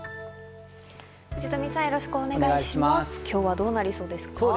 今日はどうなりそうですか。